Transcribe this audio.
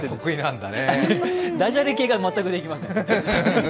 だじゃれ系が全くできません。